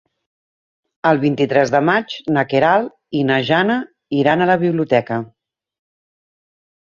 El vint-i-tres de maig na Queralt i na Jana iran a la biblioteca.